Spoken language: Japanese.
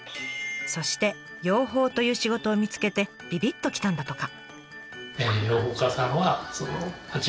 そして養蜂という仕事を見つけてビビッときたんだとか。